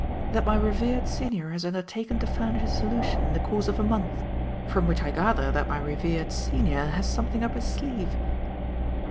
"That my revered senior has undertaken to furnish a solution in the course of a month; from which I gather that my revered senior has something up his sleeve."